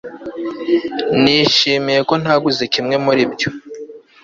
nishimiye ko ntaguze kimwe muri ibyo